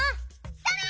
それ！